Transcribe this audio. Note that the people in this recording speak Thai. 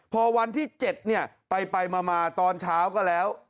พอวันที่๗ไปมาตอนเช้าก็แล้ว